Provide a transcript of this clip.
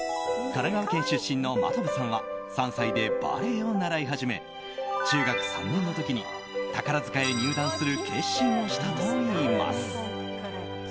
神奈川県出身の真飛さんは３歳でバレエを習い始め中学３年の時に宝塚へ入団する決心をしたといいます。